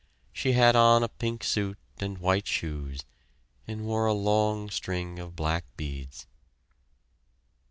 She had on a pink suit and white shoes, and wore a long string of black beads...